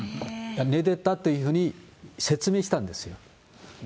寝てたというふうに説明したんですよ。